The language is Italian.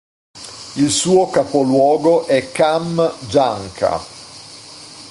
Il suo capoluogo è Kam"janka.